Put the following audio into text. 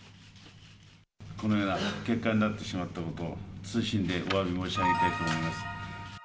このような結果になってしまったこと、謹んでおわび申し上げたいと思います。